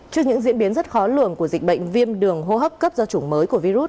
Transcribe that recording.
trước những diễn biến rất khó lường của dịch bệnh viêm đường hô hấp cấp do chủng mới